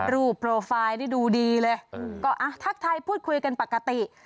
โปรไฟล์นี่ดูดีเลยก็ทักทายพูดคุยกันปกติ